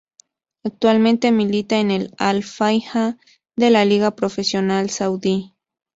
Actualmente milita en el Al-Fayha de la Liga Profesional Saudí.